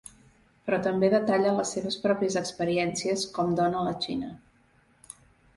Però també detalla les seves pròpies experiències com dona a la Xina.